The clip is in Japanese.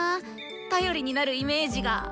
頼りになるイメージが。